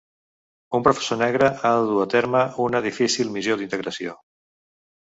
Un professor negre ha de dur a terme una difícil missió d'integració.